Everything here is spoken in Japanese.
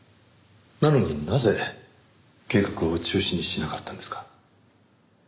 なのになぜ計画を中止にしなかったんですか？